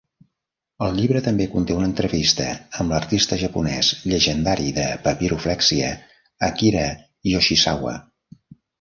El llibre també conté una entrevista amb l'artista japonès llegendari de papiroflèxia, Akira Yoshizawa.